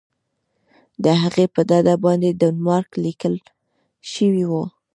د هغې په ډډه باندې ډنمارک لیکل شوي وو.